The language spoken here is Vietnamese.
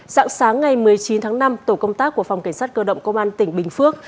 dạng sáng ngày một mươi chín tháng năm tổ công tác của phòng cảnh sát cơ động công an tỉnh bình phước